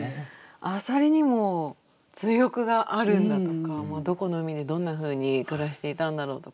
浅蜊にも追憶があるんだとかもうどこの海でどんなふうに暮らしていたんだろうとか。